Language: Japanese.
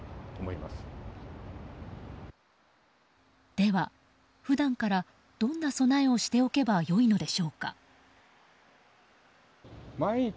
では、普段からどんな備えをしておけばよいのでしょうか。